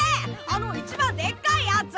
あの一番でっかいやつ！